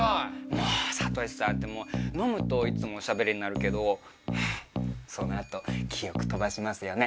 もう悟志さんって飲むといつもおしゃべりになるけどその後記憶飛ばしますよね。